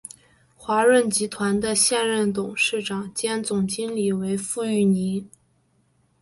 华润集团的现任董事长兼总经理为傅育宁。